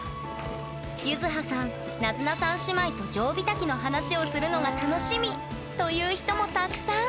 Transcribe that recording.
ゆずはさんなづなさん姉妹とジョウビタキの話をするのが楽しみ！という人もたくさん！